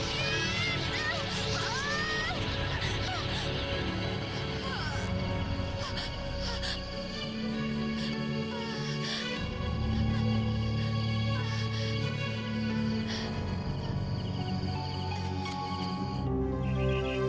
ternyata sudah siang